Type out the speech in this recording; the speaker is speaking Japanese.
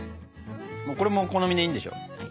これもお好みでいいんでしょ？